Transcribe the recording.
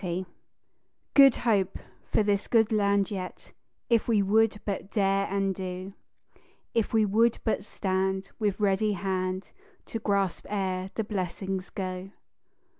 _ "Good Hope" for this good land yet, If we would but dare and do; If we would but stand with ready hand To grasp ere the blessings go.